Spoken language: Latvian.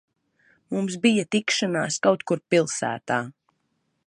Mums bija tikšanās kaut kur pilsētā.